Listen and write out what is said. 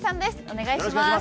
お願いします。